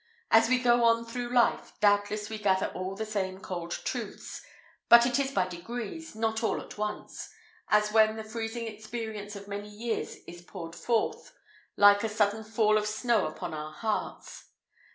As we go on through life, doubtless we gather all the same cold truths; but it is by degrees, not all at once, as when the freezing experience of many years is poured forth, like a sudden fall of snow upon our hearts.